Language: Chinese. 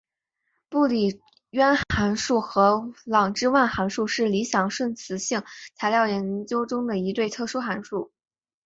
布里渊函数和郎之万函数是理想顺磁性材料研究中的一对特殊函数。